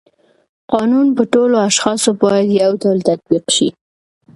قانون په ټولو اشخاصو باید یو ډول تطبیق شي.